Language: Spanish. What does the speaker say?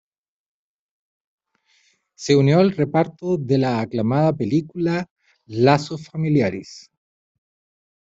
Se unió al reparto de la aclamada película "Lazos Familiares".